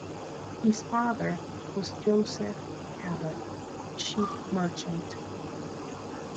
His father was Joseph Cabot, a ship merchant.